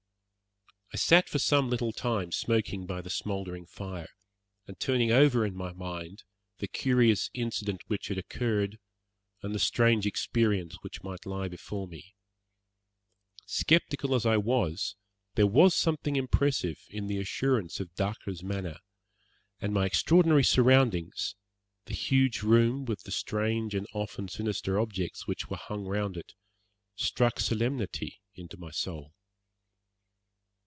I sat for some little time smoking by the smouldering fire, and turning over in my mind the curious incident which had occurred, and the strange experience which might lie before me. Sceptical as I was, there was something impressive in the assurance of Dacre's manner, and my extraordinary surroundings, the huge room with the strange and often sinister objects which were hung round it, struck solemnity into my soul.